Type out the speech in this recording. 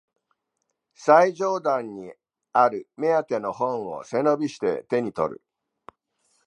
最上段にある目当ての本を背伸びして手にとる